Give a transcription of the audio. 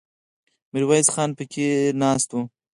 ميرويس خان پکې کېناست.